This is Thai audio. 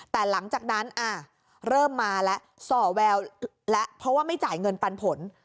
แต่หลังจากนั้นเริ่มมาแล้วส่อแววแล้วเพราะว่าไม่จ่ายเงินปันผล